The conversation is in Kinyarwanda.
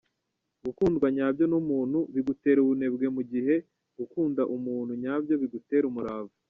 Gukundwa nyabyo n’umuntu bigutera ubunebwe mu gihe gukunda umuntu nyabyo bigutera umurava.